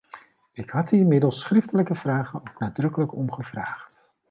Ik had hier middels schriftelijke vragen ook nadrukkelijk om gevraagd.